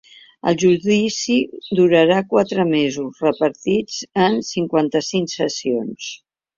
El judici durarà quatre mesos, repartits en cinquanta-cinc sessions.